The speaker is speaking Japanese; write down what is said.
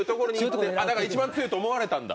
一番強いと思われたんだ。